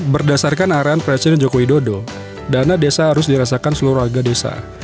berdasarkan arahan presiden joko widodo dana desa harus dirasakan seluruh warga desa